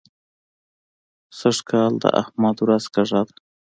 سږ کال د احمد ورځ کږه ده.